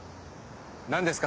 何ですか？